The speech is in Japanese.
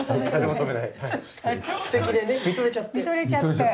見とれちゃって。